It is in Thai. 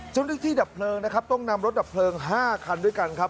ดับเพลิงนะครับต้องนำรถดับเพลิง๕คันด้วยกันครับ